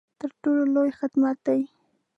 تر ټولو لوی خدمت دی.